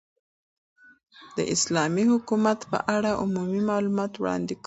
، داسلامې حكومت په اړه عمومي معلومات وړاندي كوو چې